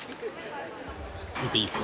見ていいですか？